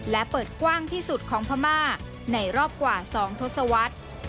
และเปิดกว้างที่สุดของพม่าในรอบกว่า๒ทศวรรษ